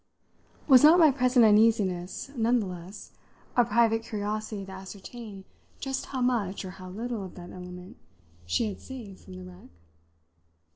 Was not my present uneasiness, none the less, a private curiosity to ascertain just how much or how little of that element she had saved from the wreck?